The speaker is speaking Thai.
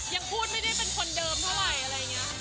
ยังพูดไม่ได้เป็นคนเดิมเท่าไหร่อะไรอย่างนี้